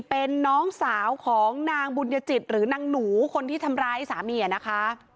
เป็นน้องสาวของนางบุญญจิตหรือนางหนูคนที่ทำร้ายสามีนะคะ